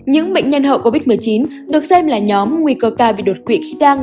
những bệnh nhân hậu covid một mươi chín được xem là nhóm nguy cơ cao bị đột quỵ khi đang